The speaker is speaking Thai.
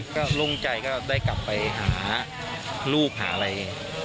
ก็โล่งใจก็ได้กลับไปหาลูกหาอะไร